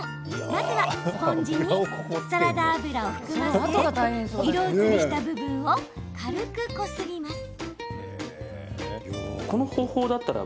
まずはスポンジにサラダ油を含ませ色移りした部分を軽くこすります。